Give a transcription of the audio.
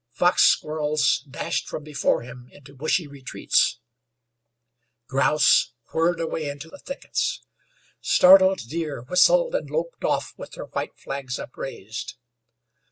Fox squirrels dashed from before him into bushy retreats; grouse whirred away into the thickets; startled deer whistled, and loped off with their white flags upraised.